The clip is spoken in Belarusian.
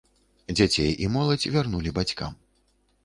Дзяцей і моладзь вярнулі бацькам.